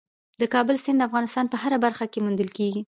د کابل سیند د افغانستان په هره برخه کې موندل کېږي.